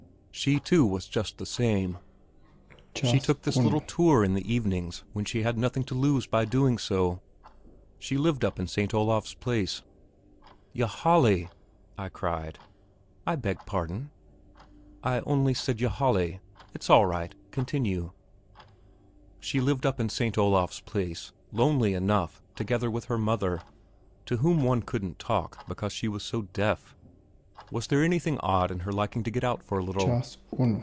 She, too, was just the same; she took this little tour in the evenings when she had nothing to lose by doing so. She lived up in St. Olav's Place. "Ylajali," I cried. "I beg pardon?" "I only said 'Ylajali' ... it's all right. Continue...." She lived up in St. Olav's Place, lonely enough, together with her mother, to whom one couldn't talk because she was so deaf. Was there anything odd in her liking to get out for a little?